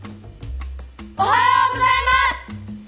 おはようございます！